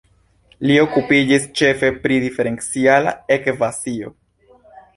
Li okupiĝis ĉefe pri Diferenciala ekvacio.